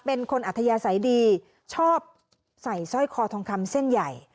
อัธยาศัยดีชอบใส่สร้อยคอทองคำเส้นใหญ่